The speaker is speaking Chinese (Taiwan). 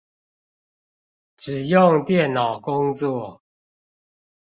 只用電腦工作